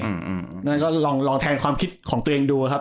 อืมนั่นก็ลองแทนความคิดของตัวเองดูครับ